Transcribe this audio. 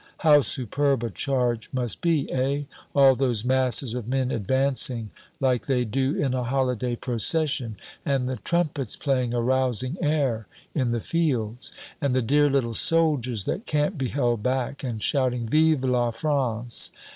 How superb a charge must be, eh? All those masses of men advancing like they do in a holiday procession, and the trumpets playing a rousing air in the fields! And the dear little soldiers that can't be held back and shouting, 'Vive la France!'